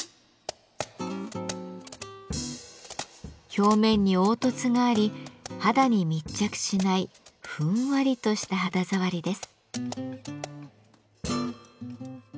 表面に凹凸があり肌に密着しないふんわりとした肌触りです。